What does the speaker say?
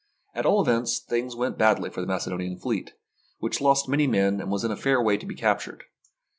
At all events, things went badly for the Macedonian fleet, which lost many men and was in a fair way to be captured.